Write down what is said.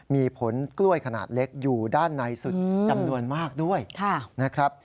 มีผลกล้วยขนาดเล็กอยู่ด้านในสุดจำนวนมากด้วยนะครับ